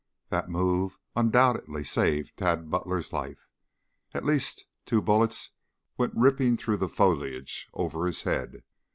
That move undoubtedly saved Tad Butler's life. At least, two bullets went ripping through the foliage over his head.